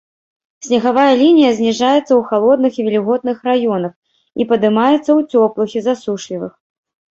Снегавая лінія зніжаецца ў халодных і вільготных раёнах і падымаецца ў цёплых і засушлівых.